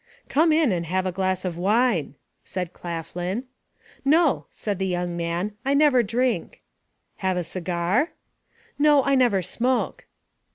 "Come in and have a glass of wine," said Claflin. "No," said the young man, "I never drink." "Have a cigar?" "No, I never smoke."